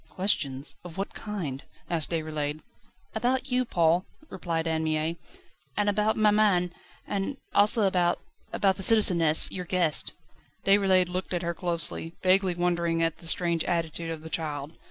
"Questions? Of what kind?" asked Déroulède. "About you, Paul," replied Anne Mie, "and about maman, and also about about the citizeness, your guest." Déroulède looked at her closely, vaguely wondering at the strange attitude of the child.